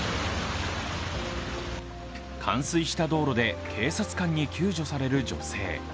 冠水した道路で警察官に救助される女性。